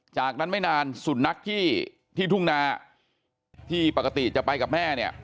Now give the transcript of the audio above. จากนั้นไม่นานสุนัขที่ทุ่งนาที่ปกติจะไปกับแม่เนี่ย